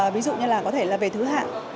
ví dụ như là có thể là về thứ hạng